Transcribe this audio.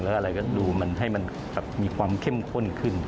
แล้วอะไรก็ดูมันให้มันมีความเข้มข้นขึ้น